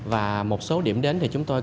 và một số điểm đến thì chúng tôi